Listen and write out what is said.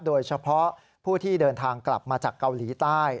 โดยเฉพาะผู้ที่เดินทางกลับมาจากเกาหลีใต้